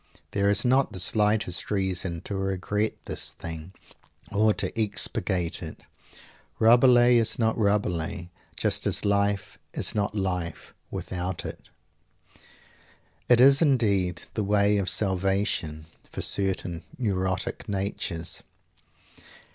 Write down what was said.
There is not the slightest reason to regret this thing or to expurgate it. Rabelais is not Rabelais, just as life is not life, without it. It is indeed the way of "salvation" for certain neurotic natures.